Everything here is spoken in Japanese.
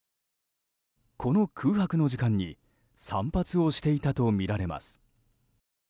この空白の時間に散髪をしていたとみられます。